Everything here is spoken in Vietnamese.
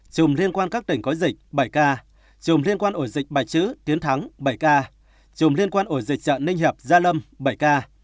trường liên quan các tỉnh có dịch bảy ca trường liên quan ổ dịch bài chứ tiến thắng bảy ca trường liên quan ổ dịch trận ninh hiệp gia lâm bảy ca